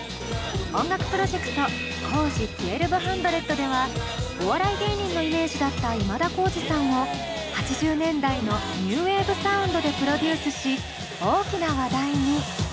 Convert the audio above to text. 音楽プロジェクトＫＯＪＩ１２００ではお笑い芸人のイメージだった今田耕司さんを８０年代のニューウエーブサウンドでプロデュースし大きな話題に。